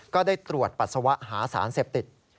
ก็ได้ตรวจปัสสาวะหาสารเสพติด